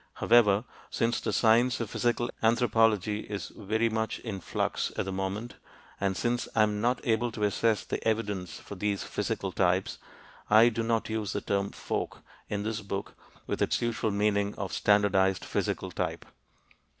However, since the science of physical anthropology is very much in flux at the moment, and since I am not able to assess the evidence for these physical types, I do not use the term "folk" in this book with its usual meaning of standardized physical type.